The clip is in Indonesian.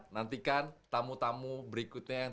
nantikan tamu tamu berikutnya yang